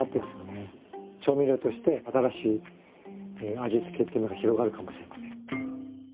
調味料として新しい味付けっていうのが広がるかもしれません。